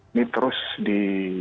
ini terus di